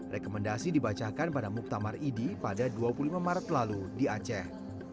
rekomendasi dibacakan pada muktamar idi pada dua puluh lima maret lalu di aceh